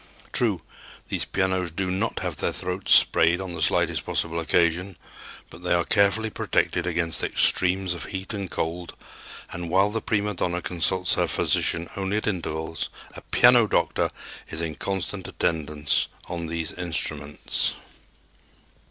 True, these pianos do not have their throats sprayed on the slightest possible occasion, but they are carefully protected against extremes of heat and cold, and, while the prima donna consults her physician only at intervals, a "piano doctor" is in constant attendance on these instruments.